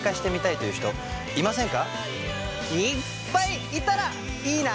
いっぱいいたらいいな！